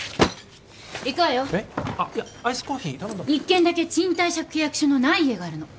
１軒だけ賃貸借契約書のない家があるの。